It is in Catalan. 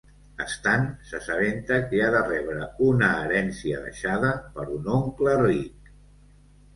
Stan s'assabenta que ha de rebre una herència deixada per un oncle ric.